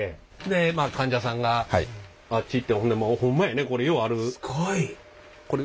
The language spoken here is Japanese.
でまあ患者さんがあっち行ってほんでホンマやねこれようある。